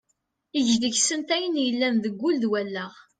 Eg deg-sent ayen i k-yellan deg wul d wallaɣ.